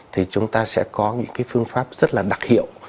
thì chúng ta sẽ có những cái phương pháp rất là đặc hiệu